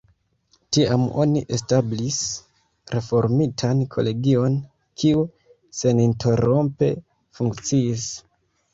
Tiam oni establis reformitan kolegion, kiu seninterrompe funkciis.